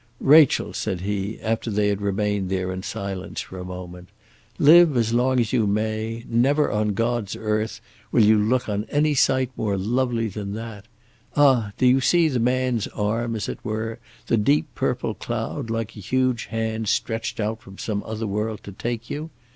"Rachel," said he, after they had remained there in silence for a moment, "live as long as you may, never on God's earth will you look on any sight more lovely than that. Ah! do you see the man's arm, as it were; the deep purple cloud, like a huge hand stretched out from some other world to take you?